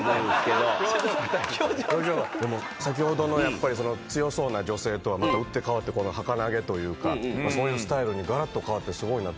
でも先ほどの強そうな女性とはまた打って変わってこの儚げというかそういうスタイルにガラッと変わってすごいなと。